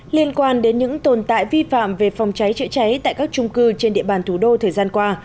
liên quan đến những tồn tại vi phạm về phòng cháy chữa cháy tại các trung cư trên địa bàn thủ đô thời gian qua